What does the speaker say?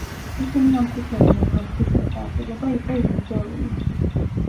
ისინი ამტკიცებდნენ, რომ ქრისტეს არსებობა იყო ილუზორული.